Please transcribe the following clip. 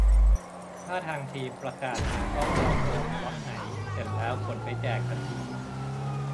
ถ้าทางทีมประกาศมาก็พร้อมโอน ล็อตไหนเสร็จแล้วขนไปแจกทันที